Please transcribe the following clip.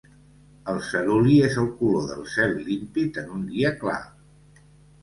El ceruli és el color del cel límpid en un dia clar.